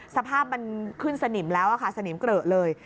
สภาพมันขึ้นสนิมแล้วค่ะสนิมเกลอะเลย